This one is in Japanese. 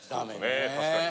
確かに。